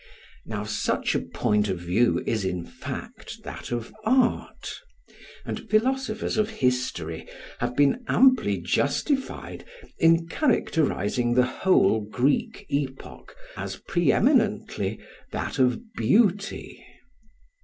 Now such a point of view is, in fact, that of art; and philosophers of history have been amply justified in characterising the whole Greek epoch as pre eminently that of Beauty.